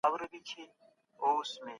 ټولنیز بدلونونه کله کله ستونزې جوړوي.